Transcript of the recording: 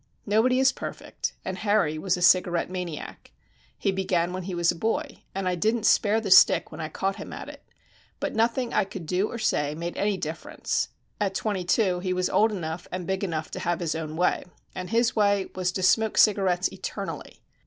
Nobody is perfect, and Harry was a cigarette maniac. He began when he was a boy, and I didn't spare the stick when I caught him at it. But nothing I could say or do made any difference; at twenty two he was old enough and big enough to have his own way, and his way was to smoke cigarettes eternally.